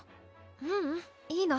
ううんいいの。